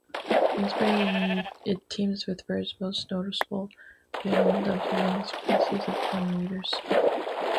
In spring it teams with birds, most noticeable being the many species of honeyeaters.